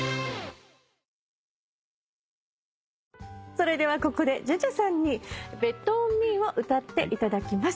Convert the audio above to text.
それではここでＪＵＪＵさんに『ＢｅｔＯｎＭｅ』を歌っていただきます。